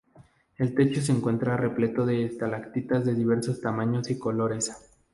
El techo se encuentra repleto de estalactitas de diversos tamaños y colores.